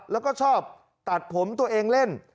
แล้วก็ชอบตัดผมตัวเองเล่น